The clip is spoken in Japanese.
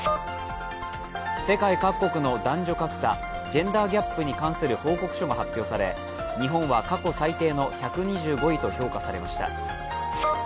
世界各国の男女格差、ジェンダーギャップに関する報告書が発表され日本は過去最低の１２５位と評価されました。